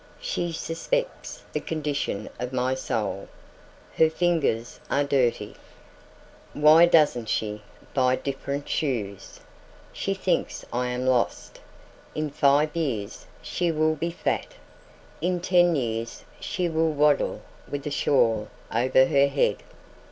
She suspects the condition of my soul. Her fingers are dirty. Why doesn't she buy different shoes? She thinks I am lost. In five years she will be fat. In ten years she will waddle with a shawl over her head."